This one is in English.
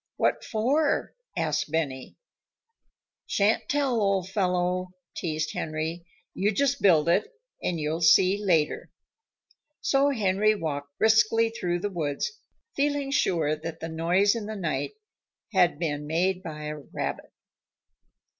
"What for?" asked Benny. "Shan't tell, old fellow," teased Henry. "You just build it, and you'll see later." So Henry walked briskly through the woods, feeling sure that the noise in the night had been made by a rabbit.